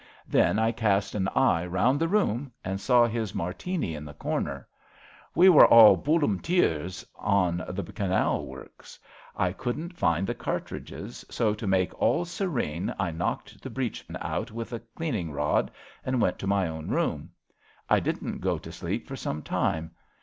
Then I cast an eye round the room and saw his Martini in the comer. We were all hullumteers on the Canal works. I couldn't find the cartridges, so to make all serene I knocked the breech pin out with the cleaning rod and went to my own room. I didn't go to sleep for some time.